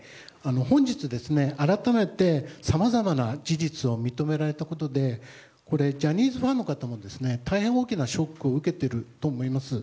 本日、改めてさまざまな事実を認められたことでジャニーズファンの方も大変大きなショックを受けていると思います。